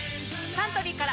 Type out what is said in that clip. サントリーから